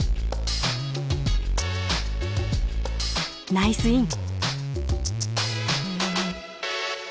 ナイスイン！